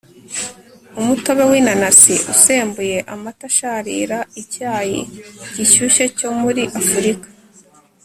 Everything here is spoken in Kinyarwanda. umutobe w'inanasi usembuye, amata asharira, icyayi gishyushye cyo muri afrika